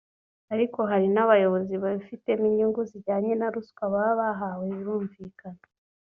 ariko hari n’abayobozi babifitemo inyungu zijyanye na ruswa baba bahawe birumbikana